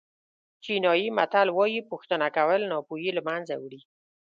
چینایي متل وایي پوښتنه کول ناپوهي له منځه وړي.